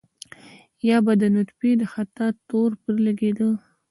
يا به د نطفې د خطا تور پرې لګېده.